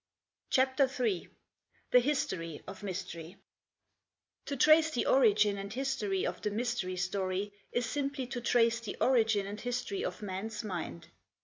CHAPTER III THE HISTORY OF MYSTERY To trace the origin and history of the mystery story is simply to trace the origin and history of man's mind.